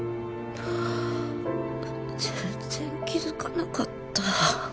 全然気づかなかった。